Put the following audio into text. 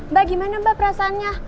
mbak gimana mbak perasaannya